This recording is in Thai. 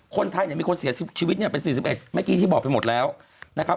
คนไทยเนี่ยมีคนเสียชีวิตเนี่ยเป็น๔๑เมื่อกี้ที่บอกไปหมดแล้วนะครับ